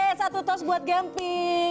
oke satu tos buat gempi